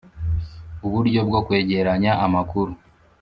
Uburyo bwo kwegeranya amakuru